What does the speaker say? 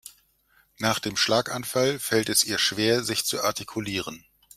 Nach dem Schlaganfall fällt es ihr schwer sich zu artikulieren.